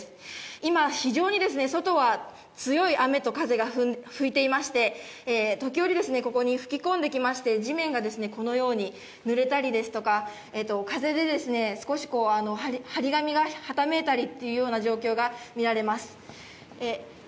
今非常にですね、外は強い雨と風が吹いていまして、時折ここに吹き込んできまして、地面がこのように濡れたりですとか、風で張り紙がはためいたりというような状況が見られます。